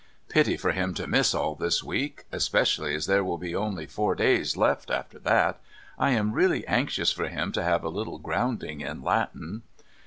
"Pity for him to miss all this week, especially as there will be only four days left after that. I am really anxious for him to have a little grounding in Latin."